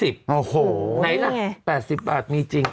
๑๒๐บาทไหนล่ะ๘๐บาทมีจริง